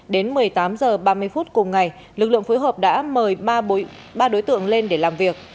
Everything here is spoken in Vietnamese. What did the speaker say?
đến một mươi tám h ba mươi phút cùng ngày lực lượng phối hợp đã mời ba đối tượng lên để làm việc